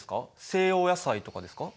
西洋野菜とかですか？